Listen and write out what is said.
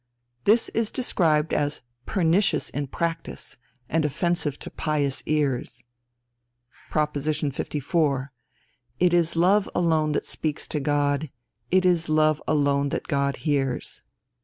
This is described as "pernicious in practice, and offensive to pious ears." Proposition 54. "It is love alone that speaks to God; it is love alone that God hears."